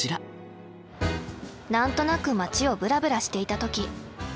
何となく街をブラブラしていた時。